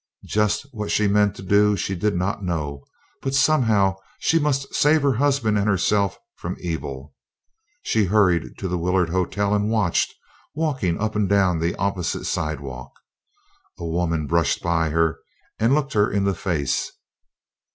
Just what she meant to do she did not know, but somehow she must save her husband and herself from evil. She hurried to the Willard Hotel and watched, walking up and down the opposite sidewalk. A woman brushed by her and looked her in the face.